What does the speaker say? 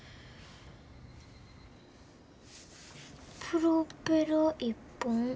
プロペラ１本。